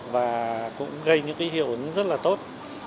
và cũng gây những cái hiệu ứng rất là tốt